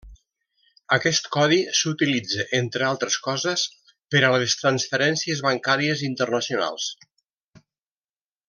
Aquest codi s'utilitza, entre altres coses, per a les transferències bancàries internacionals.